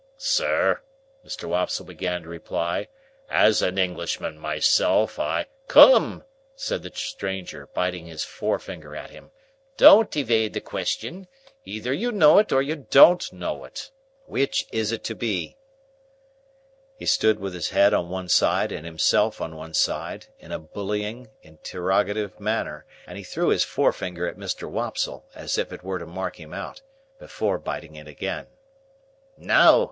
"Sir," Mr. Wopsle began to reply, "as an Englishman myself, I—" "Come!" said the stranger, biting his forefinger at him. "Don't evade the question. Either you know it, or you don't know it. Which is it to be?" He stood with his head on one side and himself on one side, in a bullying, interrogative manner, and he threw his forefinger at Mr. Wopsle,—as it were to mark him out—before biting it again. "Now!"